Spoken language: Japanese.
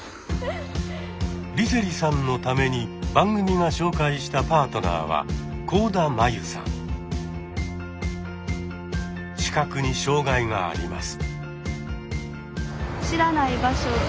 梨星さんのために番組が紹介したパートナーは視覚に障害があります。